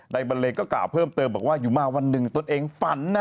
บันเลงก็กล่าวเพิ่มเติมบอกว่าอยู่มาวันหนึ่งตนเองฝันนะ